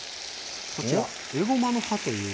こちらえごまの葉という。